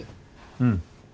うん。